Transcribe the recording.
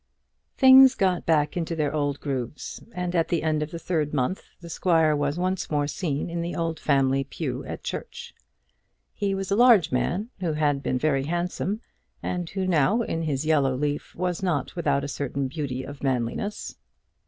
Things got back into their old grooves, and at the end of the third month the squire was once more seen in the old family pew at church. He was a large man, who had been very handsome, and who now, in his yellow leaf, was not without a certain beauty of manliness.